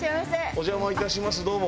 お邪魔いたしますどうも。